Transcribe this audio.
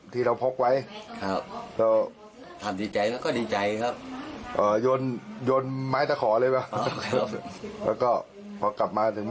สิ่งใจด้วยนะคะ